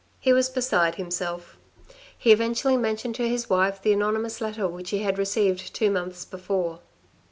He was beside himself. He eventually mentioned to his wife the anonymous letter which he had received two months before.